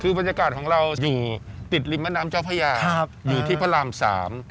คือบรรยากาศของเราอยู่ติดริมแม่น้ำเจ้าพระยาครับอยู่ที่พระรามสาม